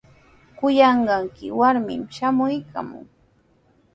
Kuyanqayki warmimi shamuykaamun.